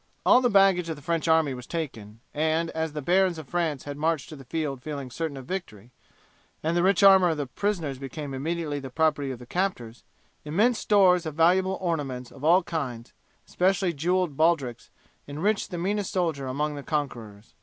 All the baggage of the French army was taken, and as the barons of France had marched to the field feeling certain of victory, and the rich armour of the prisoners became immediately the property of the captors, immense stores of valuable ornaments of all kinds, especially jewelled baldrics, enriched the meanest soldier among the conquerors.